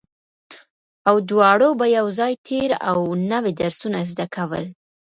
او دواړو به يو ځای تېر او نوي درسونه زده کول